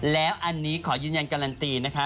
แล้วอันนี้ขอยืนยันการันตีนะคะ